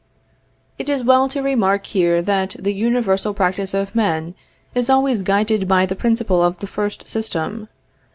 It is well to remark here that the universal practice of men is always guided by the principle of the first system.